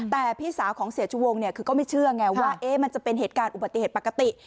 แต่พี่สาวของเสียชู้วงเนี่ยก็ไม่เชื่อไงว่ามันจะเป็นอุบัติเหตุปกติ